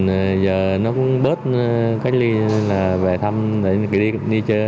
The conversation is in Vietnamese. thì giờ nó cũng bớt cách ly là về thăm để đi chơi